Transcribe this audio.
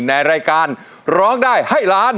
ในรายการร้องได้ให้ล้าน